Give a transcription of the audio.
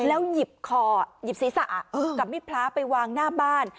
แล้วหยิบคอหยิบศีรษะกับมิดพระไปวางหน้าบ้าน